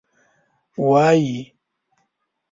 وایي.